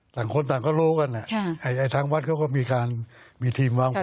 ต่างคนต่างก็รู้กันทางวัดเขาก็มีการมีทีมวางแผน